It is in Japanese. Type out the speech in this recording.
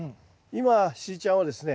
今しーちゃんはですね